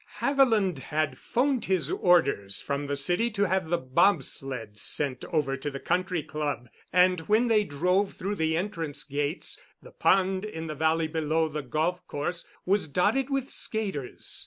Haviland had 'phoned his orders from the city to have the bobsled sent over to the Country Club—and when they drove through the entrance gates, the pond in the valley below the golf course was dotted with skaters.